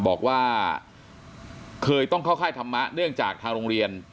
บอกว่าเคยต้องเข้าค่ายธรรมะเนื่องจากทางโรงเรียน